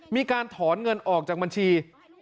มีการถอนเงินออกจากบัญชี